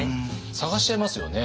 探しちゃいますよね。